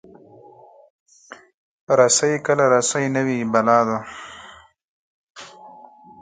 رسۍ کله رسۍ نه وي، بلا ده.